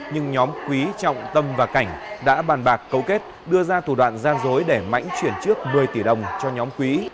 nhưng nhóm quý trọng tâm và cảnh đã bàn bạc cấu kết đưa ra thủ đoạn gian dối để mãnh chuyển trước một mươi tỷ đồng cho nhóm quý